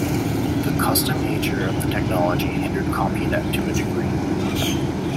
The custom nature of the technology hindered Compunet to a degree.